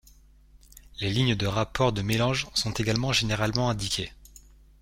Les lignes de rapport de mélange sont également généralement indiquées.